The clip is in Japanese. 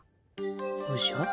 おじゃ？